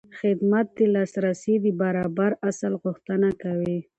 خدمت د لاسرسي د برابر اصل غوښتنه کوي.